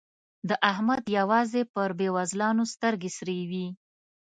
د احمد يوازې پر بېوزلانو سترګې سرې وي.